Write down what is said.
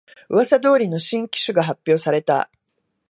うわさ通りの新機種が発表された